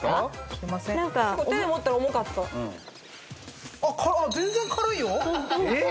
すいません手で持ったら重かったそうそうそうえっ？